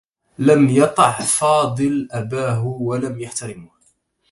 لم يطع فاضل أباه و لم يحترمه.